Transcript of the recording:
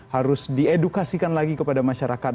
harus diedukasikan lagi kepada masyarakat